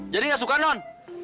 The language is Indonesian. jadi nggak suka non